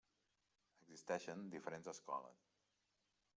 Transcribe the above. Existeixen diferents escoles.